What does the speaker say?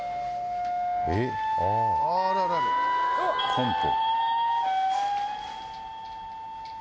コンポ？